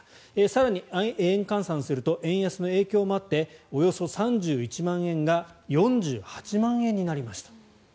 更に、円換算すると円安の影響もあっておよそ３１万円が４８万円になりました。